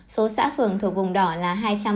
số xã phường thuộc vùng đỏ là hai trăm bốn mươi bốn